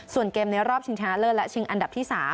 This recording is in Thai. ส่วนเกมในรอบชิงชนะเลิศและชิงอันดับที่๓